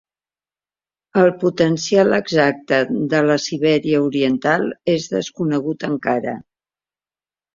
El potencial exacte de la Sibèria Oriental és desconegut encara.